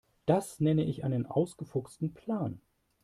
Das nenne ich einen ausgefuchsten Plan.